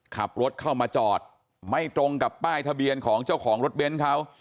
ขับรถเข้ามาจอดไม่ตรงกับป้ายทะเบียนของเจ้าของรถเบนท์เขา